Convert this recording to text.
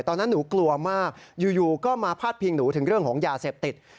ตอนนั้นหนูกลัวมากอยู่ก็มาพาดพิงหนูถึงเรื่องของยาเสพติด